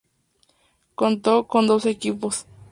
Contó con doce equipos.